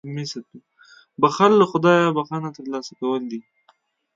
• بښل له خدایه بښنه ترلاسه کول دي.